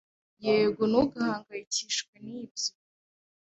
Yego, ntugahangayikishwe nibyo.